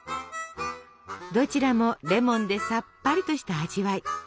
どちらもレモンでさっぱりとした味わい。